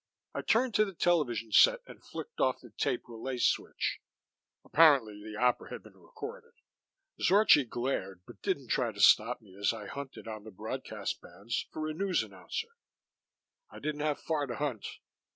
I turned to the television set and flicked off the tape relay switch apparently the opera had been recorded. Zorchi glared, but didn't try to stop me as I hunted on the broadcast bands for a news announcer. I didn't have far to hunt.